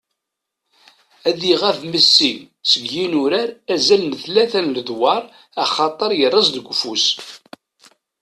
Ad iɣab Messi seg yinurar azal n tlata n ledwar axaṭer yerreẓ deg ufus.